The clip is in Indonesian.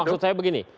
maksud saya begini